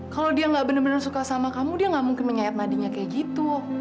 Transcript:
kalau dia nggak bener bener suka sama kamu dia nggak mungkin menyayat madinya kayak gitu